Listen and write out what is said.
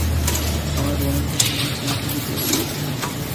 আমার বোনের কেসের কোনো ক্লু খুঁজে পেয়েছিস?